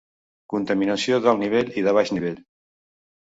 Contaminació d’alt nivell i de baix nivell.